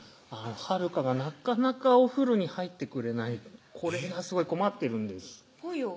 遥香がなかなかお風呂に入ってくれないこれがすごい困ってるんですぽよ